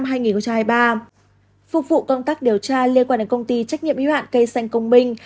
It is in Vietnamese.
phục vụ công tác điều tra liên quan đến công ty trách nhiệm y hoạn cây xanh công minh